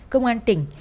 công an tỉnh